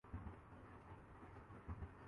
ایک یہ کہ قومی سطح میں وہی فیصلے نافذالعمل ہوں۔